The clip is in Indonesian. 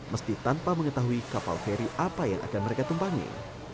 meski tanpa mengetahui kapal feri apa yang akan mereka tumpangi